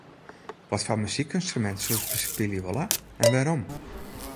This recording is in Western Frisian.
Watfoar muzykynstrumint soest bespylje wolle en wêrom?